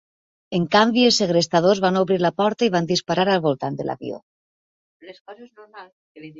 En canvi, els segrestadors van obrir la porta i van disparar al voltant de l'avió.